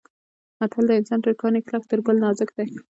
متل دی: انسان تر کاڼي کلک تر ګل نازک دی.